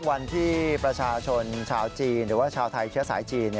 วันที่ประชาชนชาวจีนหรือว่าชาวไทยเชื้อสายจีน